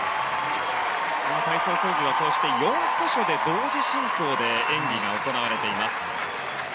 体操競技は４か所で同時進行で演技が行われています。